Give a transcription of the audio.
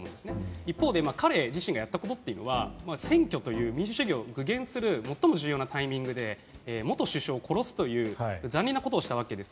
一方で彼自身がやったことというのは選挙という民主主義を具現する最も重要なタイミングで元首相を殺すという残忍なことをしたわけです。